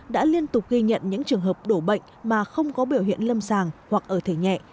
đã liên tục ghi nhận những trường hợp đổ bệnh mà không có biểu hiện lâm sàng hoặc ở thể nhẹ